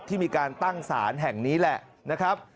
ที่มีการตั้งศาลแห่งนี้แหละนะครับ